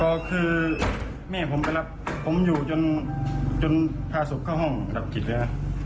ก็คือแม่ผมไปรับผมอยู่จนพาศพเข้าห้องดับจิตเลยนะ